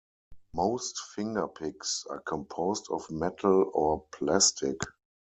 Most fingerpicks are composed of metal or plastic.